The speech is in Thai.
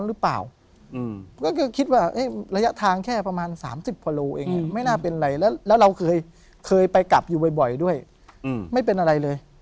เอ๊ะระยะทางแค่ประมาณ๓๐พอโลเองเนี่ยไม่น่าเป็นไรแล้วเราเคยไปกลับอยู่บ่อยด้วยไม่เป็นอะไรเลย